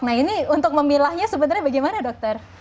nah ini untuk memilahnya sebenarnya bagaimana dokter